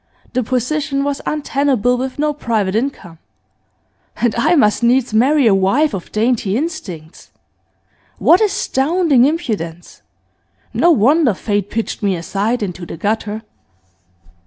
The position was untenable with no private income. And I must needs marry a wife of dainty instincts! What astounding impudence! No wonder Fate pitched me aside into the gutter.